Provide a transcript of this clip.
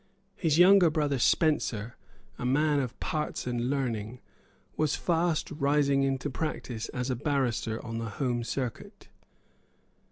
His younger brother Spencer, a man of parts and learning, was fast rising into practice as a barrister on the Home Circuit.